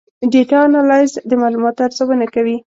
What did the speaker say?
ډیټا انالیسز د معلوماتو ارزونه کوي.